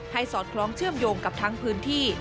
สอดคล้องเชื่อมโยงกับทั้งพื้นที่